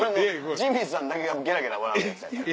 ジミーさんだけがゲラゲラ笑うやつや。